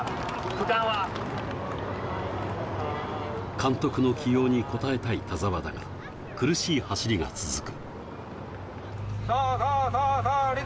監督の起用に応えたい田澤だが、苦しい走りが続く。